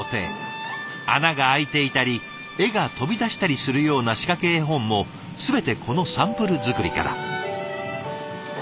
穴が開いていたり絵が飛び出したりするような仕掛け絵本も全てこのサンプル作りから。